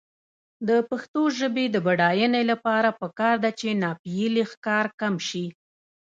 د پښتو ژبې د بډاینې لپاره پکار ده چې ناپییلي ښکار کم شي.